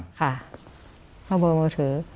ค่ะเข้าเบอร์มือถือ